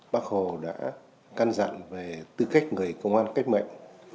bác hồ đã can dặn về tư cách người công an cách mệnh